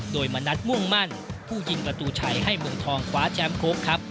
โดยมานัดม่วงมั่นผู้ยินประตูใช้ให้มวงทองขวาแชมพ์โค๊กครับ